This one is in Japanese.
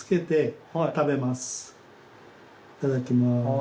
いただきます。